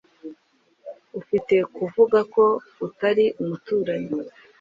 Ufite kuvuga ko atari umuturanyi.